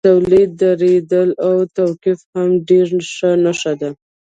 د تولید درېدل او توقف هم یوه نښه ده